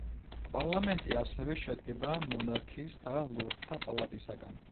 პარლამენტი ასევე შედგება მონარქის და ლორდთა პალატისაგან.